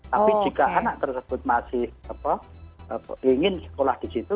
tapi jika anak tersebut masih ingin sekolah di situ